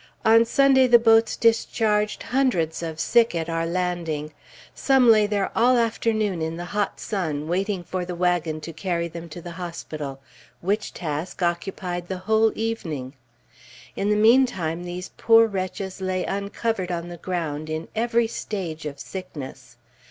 On Sunday the boats discharged hundreds of sick at our landing. Some lay there all the afternoon in the hot sun, waiting for the wagon to carry them to the hospital, which task occupied the whole evening. In the mean time these poor wretches lay uncovered on the ground, in every stage of sickness.